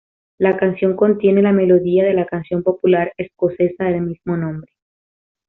La canción contiene la melodía de la canción popular escocesa del mismo nombre.